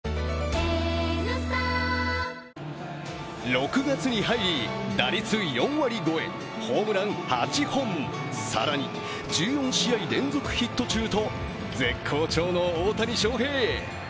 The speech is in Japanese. ６月に入り打率４割超え、ホームラン８本、更に１４試合連続ヒット中と絶好調の大谷翔平。